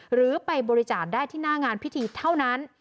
หรือไปบริจาคได้ที่หน้างานพิธีเท่านั้น